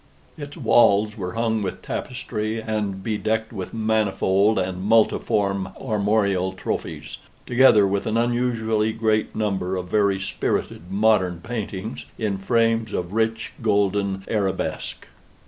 Its walls were hung with tapestry and bedecked with manifold and multiform armorial trophies, together with an unusually great number of very spirited modern paintings in frames of rich golden arabesque.